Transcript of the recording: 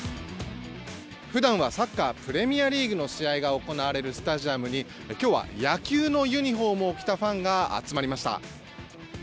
普段はサッカープレミアリーグの試合が行われるスタジアムに今日は野球のユニホームを着たファンが集まりました。